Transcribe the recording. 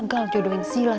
kalian tuh gila